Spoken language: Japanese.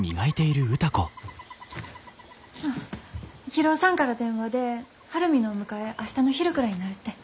博夫さんから電話で晴海のお迎え明日の昼くらいになるって。